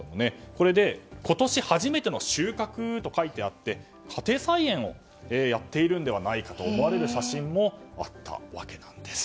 これで「今年初めての収穫」と書いてあって家庭菜園をやっているのではないかと思われる写真もあったんです。